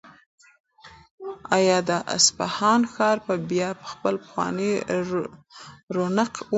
آیا د اصفهان ښار به بیا خپل پخوانی رونق ومومي؟